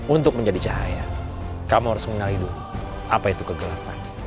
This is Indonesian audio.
untuk menjadi cahaya kamu harus mengenali dulu apa itu kegelapan